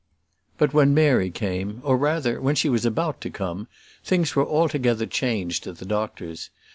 But when Mary came, or rather, when she was about to come, things were altogether changed at the doctor's.